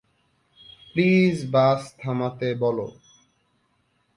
Please bus থামাতে বলো।